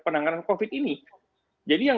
penanganan covid ini jadi yang